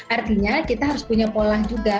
artinya kita harus punya pola juga